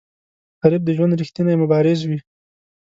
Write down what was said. غریب د ژوند ریښتینی مبارز وي